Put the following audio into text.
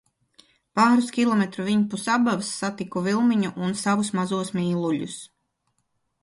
Pāris kilometru viņpus Abavas satiktu Vilmiņu un savus mazos mīluļus.